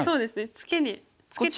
ツケにツケて。